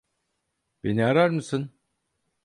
Beni arar mısın?